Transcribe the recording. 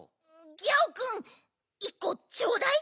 ギャオくん１こちょうだい。